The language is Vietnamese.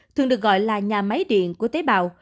thường được gọi là nhà máy điện của tế bào